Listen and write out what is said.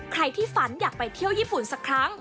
ใครที่ฝันอยากไปเที่ยวญี่ปุ่นสักครั้ง